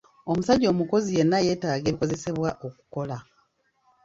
Omusajja omukozi yenna yeetaaga ebikozesebwa okukola.